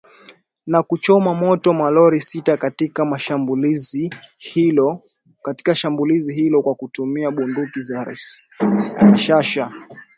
na kuchoma moto malori sita katika shambulizi hilo kwa kutumia bunduki za rashasha